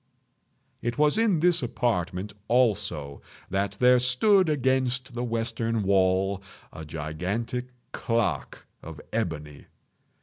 It was in this apartment, also, that there stood against the western wall, a gigantic clock of ebony.